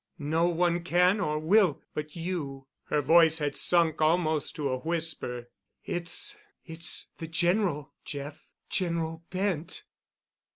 No one can or will but you." Her voice had sunk almost to a whisper. "It's—it's the General—Jeff—General Bent."